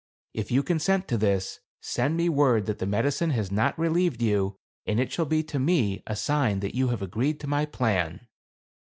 If you consent to this, send me word that the medicine has not relieved you, and it shall be to me a sign that you have agreed to my plan."